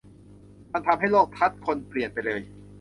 มันทำให้โลกทัศน์คนเปลี่ยนไปเลย